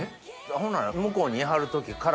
ほんなら。